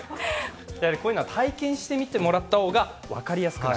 こういうのは体験してもらった方が分かりやすい。